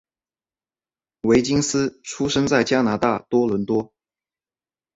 威金斯出生在加拿大多伦多。